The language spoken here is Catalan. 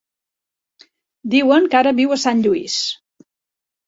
Diuen que ara viu a Sant Lluís.